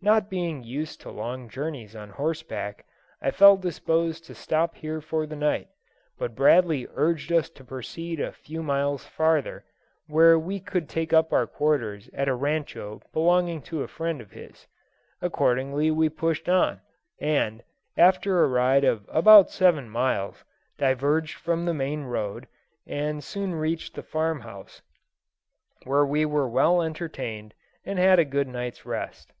Not being used to long journeys on horseback, I felt disposed to stop here for the night, but Bradley urged us to proceed a few miles farther, where we could take up our quarters at a rancho belonging to a friend of his. Accordingly we pushed on, and, after a ride of about seven miles, diverged from the main road, and soon reached the farm house, where we were well entertained, and had a good night's rest.